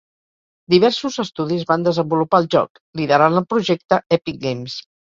Diversos estudis van desenvolupar el joc, liderant el projecte Epic Games.